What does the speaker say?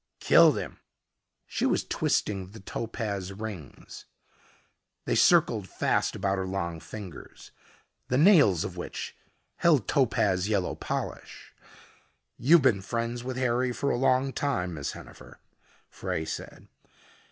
"Killed him." She was twisting the topaz rings. They circled fast about her long fingers, the nails of which held topaz yellow polish. "You've been friends with Harry for a long time, Miss Hennifer," Frey said.